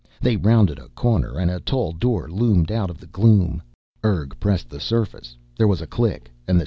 They rounded a corner and a tall door loomed out of the gloom. Urg pressed the surface, there was a click and the stone rolled back.